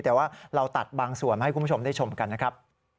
แต่ว่าเราตัดบางส่วนมาให้คุณผู้ชมได้ชมกันนะครับ